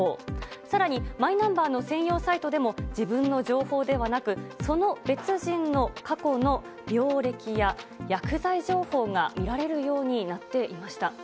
更にマイナンバーの専用サイトでも自分の情報でなくその別人の過去の病歴や薬剤情報が見られるようになっていました。